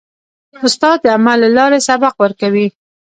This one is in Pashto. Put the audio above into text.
استاد د عمل له لارې سبق ورکوي.